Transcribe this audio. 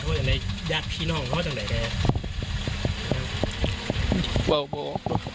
บอกบอก